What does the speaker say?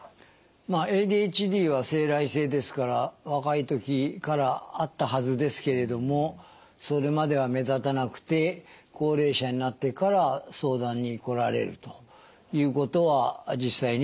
まあＡＤＨＤは生来性ですから若いときからあったはずですけれどもそれまでは目立たなくて高齢者になってから相談に来られるということは実際にはあります。